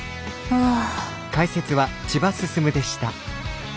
ああ。